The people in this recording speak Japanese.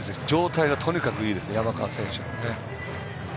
状態がとにかくいいです山川選手は。